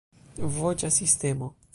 Voĉa sistemo.